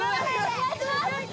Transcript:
・お願いします！